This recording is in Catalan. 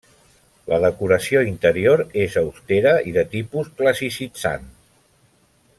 La decoració interior és austera i de tipus classicitzant.